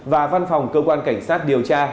và văn phòng cơ quan cảnh sát điều tra